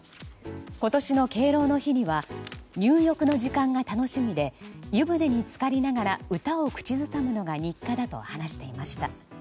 今年の敬老の日には入浴の時間が楽しみで湯船につかりながら歌を口ずさむのが日課だと話していました。